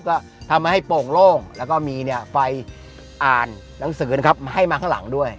ก็ทำให้โป่งโล่งแล้วก็มีไฟอ่านหนังสือนะครับให้มาข้างหลังด้วย